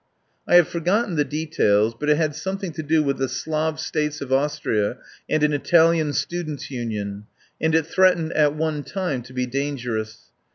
I have forgotten the details, but it had some thing to do with the Slav States of Austria and an Italian Students' Union, and it threat ened at one time to be dangerous.